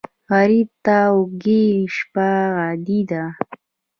غریب ته وږې شپه عادي ده